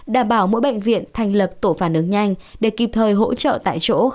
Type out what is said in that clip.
đảm bảo mỗi bệnh viện thành lập tổ phản ứng nhanh để kịp thời hỗ trợ tại chỗ